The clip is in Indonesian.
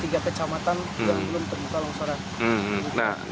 tiga kecamatan yang belum terbuka longsoran